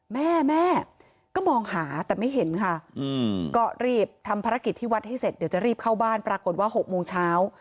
แม่แม่ก็มองหาแต่ไม่เห็นค่ะก็รีบทำภารกิจที่วัดให้เสร็จเดี๋ยวจะรีบเข้าบ้านปรากฏว่า๖โมงเช้า